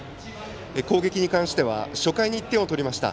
攻撃に関しては初回に１点を取りました。